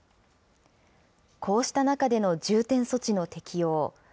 こうした中での重点措置の適用。